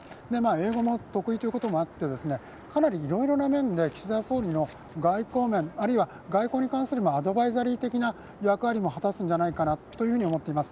英語も得意ということもあって、かなりいろいろな面で岸田総理の外交面、あるいは外交に関するアドバイザリー的な役割も果たすんじゃないかなと思っています。